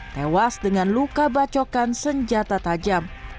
tewas dengan luka bacokan senjata tajam